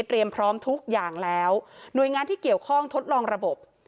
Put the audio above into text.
พร้อมทุกอย่างแล้วหน่วยงานที่เกี่ยวข้องทดลองระบบ